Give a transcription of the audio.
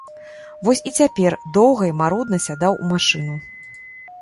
Вось і цяпер доўга і марудна сядаў у машыну.